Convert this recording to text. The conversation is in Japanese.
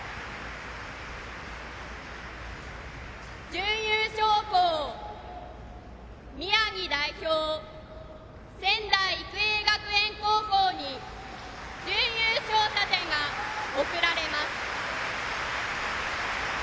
準優勝校宮城代表、仙台育英学園高校に準優勝盾が贈られます。